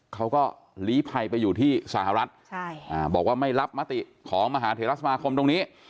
เขาก็หลีภัยไปอยู่ที่สหรัฐบอกว่าไม่รับมติของมหาเทราสมาคมตรงนี้